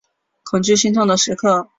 恐惧心痛的时刻